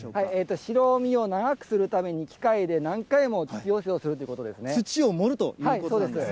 白みを長くするために、機械で何回も土寄せをするという土を盛るということなんですそうです。